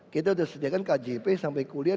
kita sudah sediakan kjp sampai kuliah